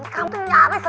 kamu tuh nyapis